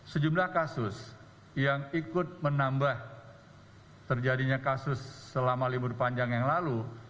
sejumlah kasus yang ikut menambah terjadinya kasus selama libur panjang yang lalu